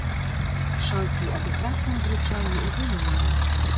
Шансаў адыграцца англічане ўжо не мелі.